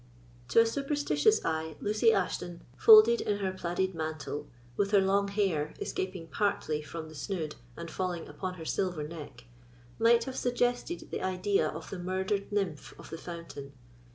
To a superstitious eye, Lucy Ashton, folded in her plaided mantle, with her long hair, escaping partly from the snood and falling upon her silver neck, might have suggested the idea of the murdered Nymph of the fountain.